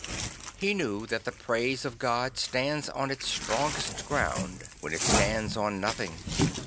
He knew that the praise of God stands on its strongest ground when it stands on nothing.